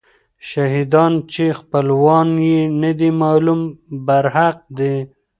شهیدان چې خپلوان یې نه دي معلوم، برحق دي.